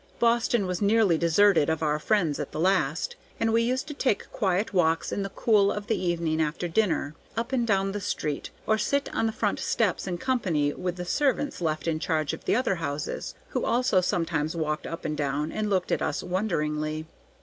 Boston was nearly deserted of our friends at the last, and we used to take quiet walks in the cool of the evening after dinner, up and down the street, or sit on the front steps in company with the servants left in charge of the other houses, who also sometimes walked up and down and looked at us wonderingly.